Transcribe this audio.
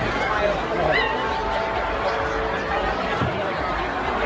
การรับความรักมันเป็นอย่างไร